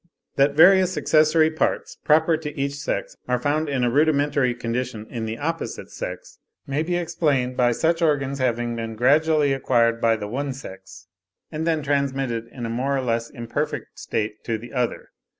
That various accessory parts, proper to each sex, are found in a rudimentary condition in the opposite sex, may be explained by such organs having been gradually acquired by the one sex, and then transmitted in a more or less imperfect state to the other.